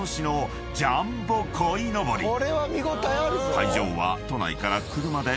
［会場は］